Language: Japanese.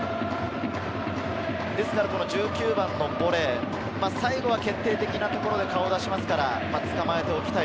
１９番のボレ、最後は決定的なところで顔を出しますから、捕まえておきたい。